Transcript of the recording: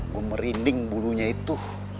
gue merinding bulunya itu